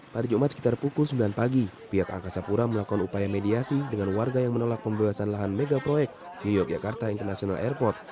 pada jumat sekitar pukul sembilan pagi pihak angkasa pura melakukan upaya mediasi dengan warga yang menolak pembebasan lahan megaproyek di yogyakarta international airport